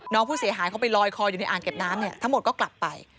น้องผู้เสียหายเขาไปลอยคออยู่ในอ่างเก็บน้ำเนี่ยทั้งหมดก็กลับไป